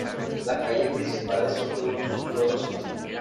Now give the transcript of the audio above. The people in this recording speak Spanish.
Las calles principales son de un solo sentido.